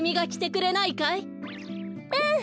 うん！